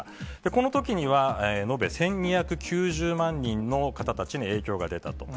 このときには、延べ１２９０万人の方たちに影響が出たと。